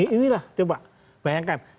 ini lah coba bayangkan